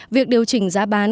việc điều chỉnh giá bán